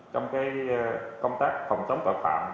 trong cái công tác phòng chống tội phạm